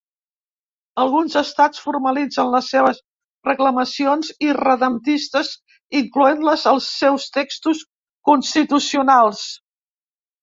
Alguns Estats formalitzen les seves reclamacions irredemptistes incloent-les als seus textos constitucionals.